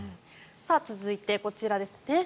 続いてこちらですね。